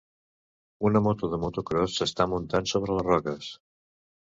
Una moto de motocròs s'està muntant sobre les roques